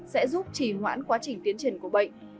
sẽ giúp trì hoãn quá trình tiến triển của bệnh